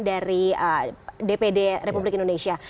dari dpd republik indonesia